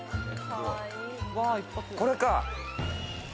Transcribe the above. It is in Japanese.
これか。